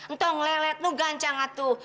ntong lelet nunggancang aduh